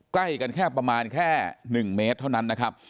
ใกล้กันแค่ประมาณแค่๑เมตรเท่านั้นนะครับ